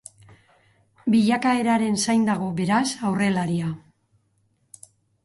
Bilakaeraren zain dago, beraz, aurrelaria.